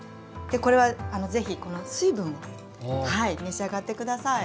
でこれは是非この水分を召し上がって下さい。